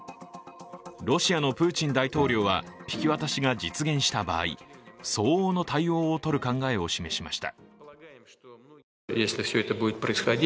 ロシアのプーチン大統領は引き渡しが実現した場合、相応の対応を取る考えを示しました。